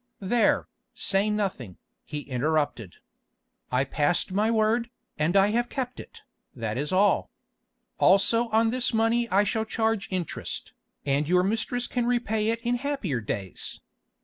"There, say nothing," he interrupted. "I passed my word, and I have kept it, that is all. Also on this money I shall charge interest, and your mistress can repay it in happier days.